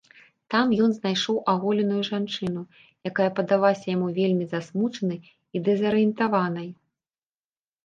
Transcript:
Там ён знайшоў аголеную жанчыну, якая падалася яму вельмі засмучанай і дэзарыентаванай.